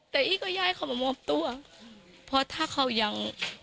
แต่อี้ก็ย้ายเขามามอบตัวเพราะถ้าเขายัง